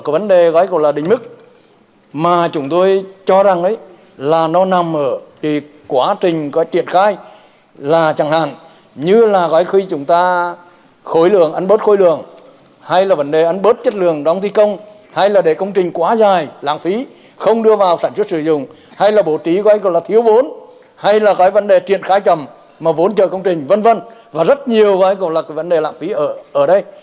vốn trợ công trình v v và rất nhiều vấn đề lạm phí ở đây